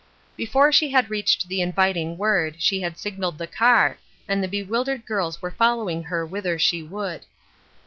'' Before she had reached the inviting word, she had signaled the car, and the bewildered girla were following her whither she would.